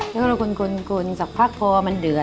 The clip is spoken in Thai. แล้วก็ลต้องกรมกรมตะปาร์โคมันเหลือ